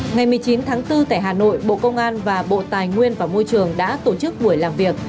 ngày một mươi chín tháng bốn tại hà nội bộ công an và bộ tài nguyên và môi trường đã tổ chức buổi làm việc